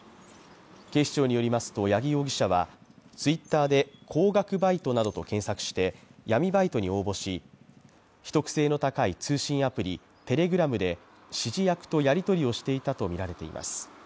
警視庁によりますと八木容疑者はツイッターで高額バイトなどと検索して闇バイトに応募し、秘匿性の高い通信アプリテレグラムで、指示役とやり取りをしていたとみられています